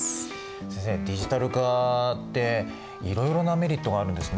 先生ディジタル化っていろいろなメリットがあるんですね。